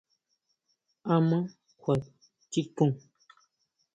¿Áʼma kjuachikun?